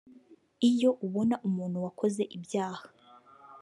iyo ubona umuntu wakoze ibyaha